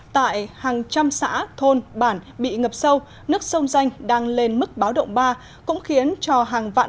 tại hàng trăm xã thôn bản bị ngập sâu nước sông danh đang lên mức báo động ba cũng khiến cho hàng vạn